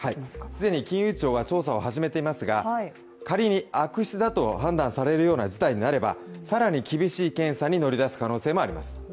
既に金融庁は調査を始めていますが仮に悪質だと判断されるような事態になれば、更に厳しい検査に乗り出す可能性もあります。